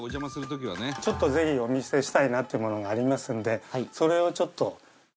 ちょっとぜひお見せしたいなっていうものがありますのでそれをちょっと。